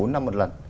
bốn năm một lần